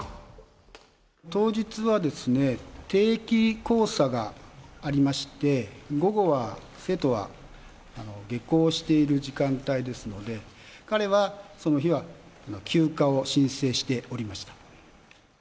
当日はですね、定期考査がありまして、午後は生徒は下校している時間帯ですので、彼はその日は休暇を申請しておりました。